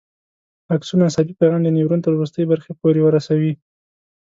اکسون عصبي پیغام د نیورون تر وروستۍ برخې پورې رسوي.